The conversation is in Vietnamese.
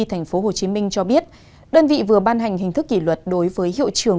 tp hcm cho biết đơn vị vừa ban hành hình thức kỷ luật đối với hiệu trường